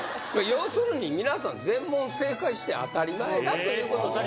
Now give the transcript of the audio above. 要するに皆さん全問正解して当たり前だということです